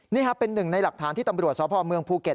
นี่ครับเป็นหนึ่งในหลักฐานที่ตำรวจสพเมืองภูเก็ต